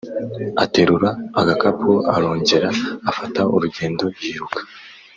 aterura agakapu arongera afata urugendo yiruka,